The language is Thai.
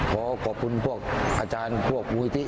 ขอขอบคุณพวกอาจารย์พวกมูลนิธิ